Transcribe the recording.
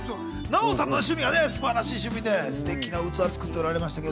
奈緒さんの趣味、素晴らしい趣味ですてきな器作っておられました。